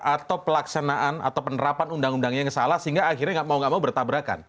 atau pelaksanaan atau penerapan undang undangnya yang salah sehingga akhirnya mau gak mau bertabrakan